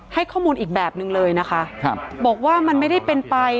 ให้ข้อมูลอีกแบบนึงเลยนะคะครับบอกว่ามันไม่ได้เป็นไป